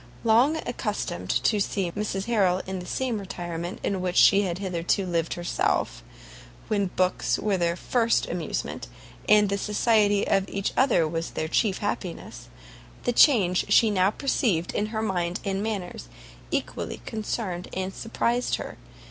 Long accustomed to see Mrs Harrel in the same retirement in which she had hitherto lived herself, when books were their first amusement, and the society of each other was their chief happiness, the change she now perceived in her mind and manners equally concerned and surprised her.